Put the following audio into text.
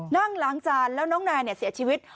นั่งล้างจานแล้วน้องแนนเสียชีวิต